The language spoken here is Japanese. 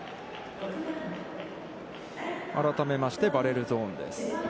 改めましてバレルゾーンです。